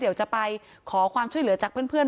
เดี๋ยวจะไปขอความช่วยเหลือจากเพื่อน